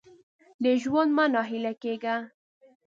د ژونده مه نا هیله کېږه !